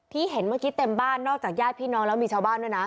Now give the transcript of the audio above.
เห็นเมื่อกี้เต็มบ้านนอกจากญาติพี่น้องแล้วมีชาวบ้านด้วยนะ